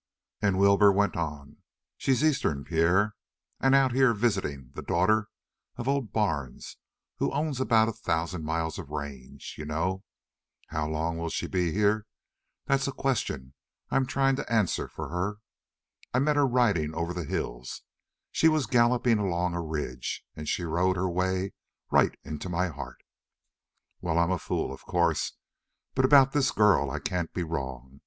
And Wilbur went on: "She's Eastern, Pierre, and out here visiting the daughter of old Barnes who owns about a thousand miles of range, you know. How long will she be here? That's the question I'm trying to answer for her. I met her riding over the hills she was galloping along a ridge, and she rode her way right into my heart. Well, I'm a fool, of course, but about this girl I can't be wrong.